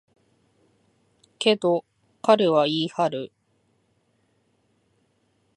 けど、彼は言い張る。